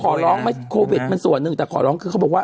ขอร้องไหมโควิดมันส่วนหนึ่งแต่ขอร้องคือเขาบอกว่า